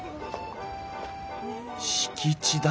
「敷地」だと？